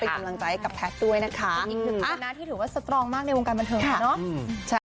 อีกหนึ่งคุณนะที่ถือว่าสตรองมากในวงการบรรเทิร์มค่ะเนาะ